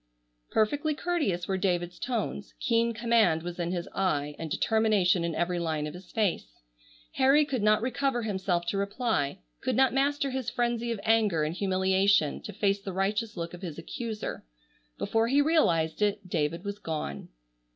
Perfectly courteous were David's tones, keen command was in his eye and determination in every line of his face. Harry could not recover himself to reply, could not master his frenzy of anger and humiliation to face the righteous look of his accuser. Before he realized it, David was gone.